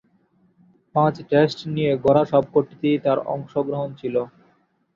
পাঁচ-টেস্ট নিয়ে গড়া সবকটিতেই তার অংশগ্রহণ ছিল।